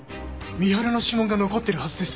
深春の指紋が残ってるはずです。